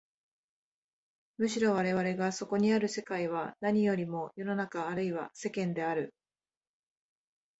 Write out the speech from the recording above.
むしろ我々がそこにある世界は何よりも世の中あるいは世間である。